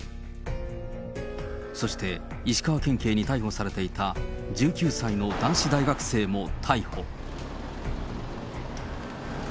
そして、石川県警に逮捕されていた１９歳の男子大学生も逮捕。